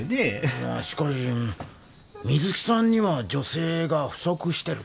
いやしかし水木さんには女性が不足してる。